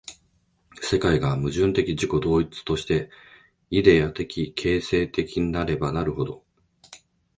世界が矛盾的自己同一として、イデヤ的形成的なればなるほど、